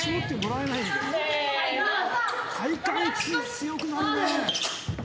体幹強くなるねえ。